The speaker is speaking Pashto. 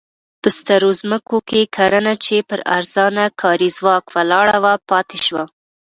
په سترو ځمکو کې کرنه چې پر ارزانه کاري ځواک ولاړه وه پاتې شوه.